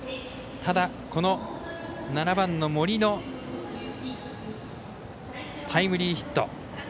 ただ７番、森のタイムリーヒット。